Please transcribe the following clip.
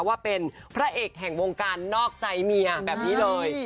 ว่าเป็นพระเอกแห่งวงการนอกใจเมียแบบนี้เลย